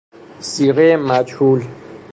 صیغۀ مجهول